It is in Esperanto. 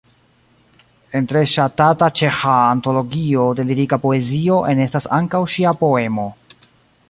En tre ŝatata ĉeĥa antologio de lirika poezio enestas ankaŭ ŝia poemo.